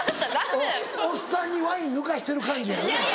おっさんにワイン抜かしてる感じやよね。